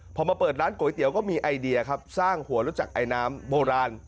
พอมาเปิดร้านก๋วยเตี๋ยวก็มีไอเดียครับสร้างหัวรู้จักไอน้ำโบราณ